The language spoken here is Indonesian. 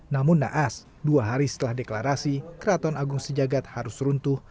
namun naas dua hari setelah deklarasi keraton agung sejagat harus runtuh